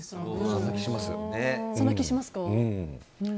そんな気がします。